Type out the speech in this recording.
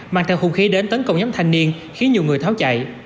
mang theo hung khí đến tấn công nhóm thanh niên khiến nhiều người tháo chạy